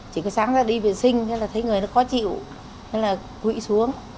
chỉ có sáng ra đi vệ sinh thấy người nó có chịu nên là quỵ xuống